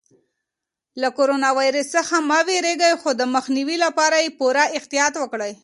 له کرونا ویروس څخه مه وېرېږئ خو د مخنیوي لپاره یې پوره احتیاط وکړئ.